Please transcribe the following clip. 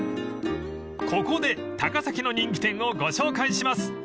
［ここで高崎の人気店をご紹介します］